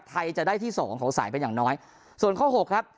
ไทยจะได้ที่สองของสายเป็นอย่างน้อยส่วนข้อหกครับ